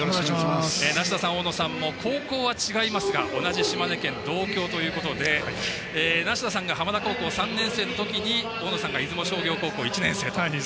梨田さん、大野さんも高校は違いますが同じ島根県、同郷ということで梨田さんが浜田高校３年生の時に大野さんが出雲商業高校１年生と。